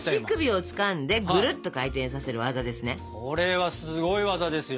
これはすごい技ですよ。